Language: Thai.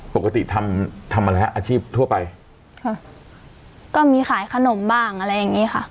ปกติทำทำอะไรฮะอาชีพทั่วไปค่ะก็มีขายขนมบ้างอะไรอย่างงี้ค่ะ